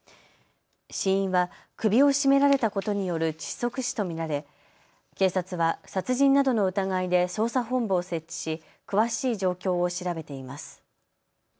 死因は首を絞められたことによる窒息死と見られ警察は殺人などの疑いで捜査本部を設置し、詳しい状況を調べています。